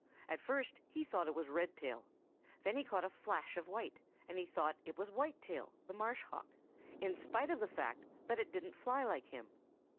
At first he thought it was Redtail. Then he caught a flash of white, and he thought it was Whitetail the Marsh Hawk, in spite of the fact that it didn't fly like him.